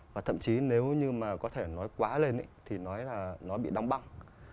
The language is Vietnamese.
và thậm chí nếu như mà có thể nói quá lên thì nói là nó bị đóng băng